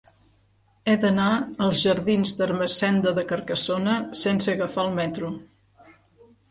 He d'anar als jardins d'Ermessenda de Carcassona sense agafar el metro.